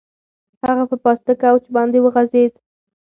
هغه په پاسته کوچ باندې وغځېد.